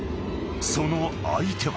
［その相手は］